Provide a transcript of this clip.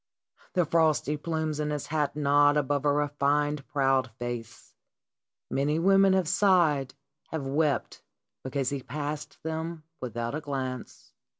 The frosty plumes in his 275 276 In Siber Upon JJurple. hat nod above a refined, proud face. Many women have sighed, have wept, because he passed them without a glance.